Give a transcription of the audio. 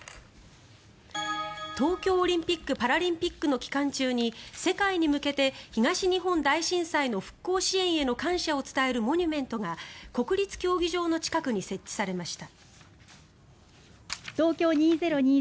東京オリンピック・パラリンピックの期間中に世界に向けて東日本大震災の復興支援への感謝を伝えるモニュメントが国立競技場の近くに設置されました。